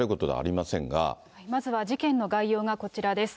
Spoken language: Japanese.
まずは事件の概要がこちらです。